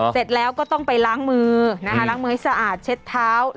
เสร็จแล้วก็ต้องไปล้างมือนะคะล้างมือให้สะอาดเช็ดเท้า